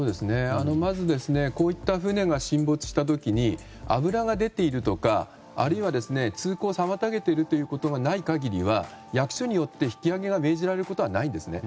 まずこういった船が沈没した時に油が出ているとか、あるいは通行を妨げているということがない限りは、役所によって引き揚げが命じられることはないんですね。